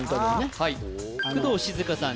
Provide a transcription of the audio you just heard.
はい工藤静香さん